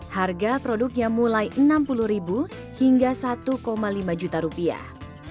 harga produknya mulai enam puluh ribu hingga satu lima juta rupiah